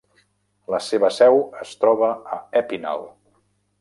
La seva seu es troba a Épinal.